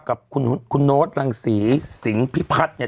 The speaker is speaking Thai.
กับคุณโน้ตรังศรีสิงห์พิพัฒน์เนี่ย